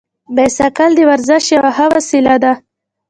بایسکل د ورزش یوه ښه وسیله ده.